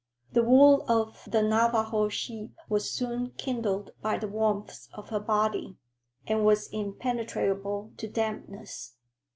The wool of the Navajo sheep was soon kindled by the warmth of her body, and was impenetrable to dampness.